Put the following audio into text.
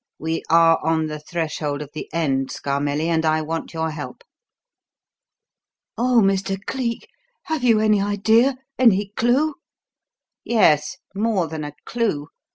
"We are on the threshold of the end, Scarmelli, and I want your help." "Oh, Mr. Cleek, have you any idea any clue?" "Yes, more than a clue.